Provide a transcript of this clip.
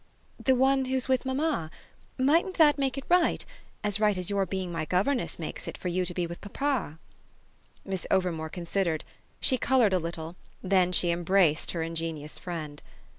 "The one who's with mamma. Mightn't that make it right as right as your being my governess makes it for you to be with papa?" Miss Overmore considered; she coloured a little; then she embraced her ingenious friend.